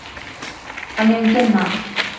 আমি একজন মা।